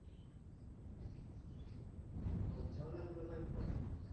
পরে সেখান থেকে তাকে ঢাকা মেডিকেল কলেজ হাসপাতালের জরুরি বিভাগে নেওয়া হয়।